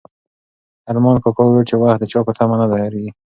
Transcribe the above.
ارمان کاکا وویل چې وخت د چا په تمه نه درېږي.